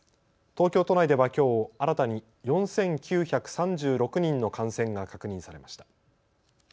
東京都内ではきょう新たに４９３６人の感染が確認されました。